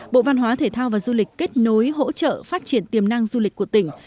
bộ văn hóa thể thao và du lịch kết nối hỗ trợ phát triển tiềm năng du lịch của tỉnh